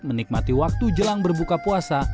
menikmati waktu jelang berbuka puasa